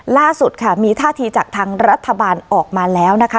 ล่าสุดค่ะมีท่าทีจากทางรัฐบาลออกมาแล้วนะคะ